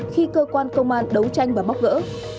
khi cơ quan công an đấu tranh và bóc gỡ